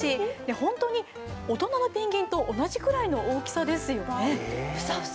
本当に大人のペンギンと同じくらいの大きさですよね。